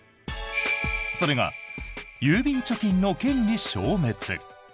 それが、郵便貯金の権利消滅。